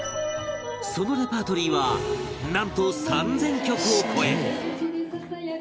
そのレパートリーはなんと３０００曲を超え